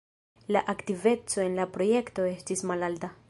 La aktiveco en la projekto estis malalta.